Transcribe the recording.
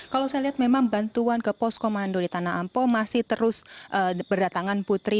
kalau saya lihat memang bantuan ke poskomando di tanah ampo masih terus berdatangan putri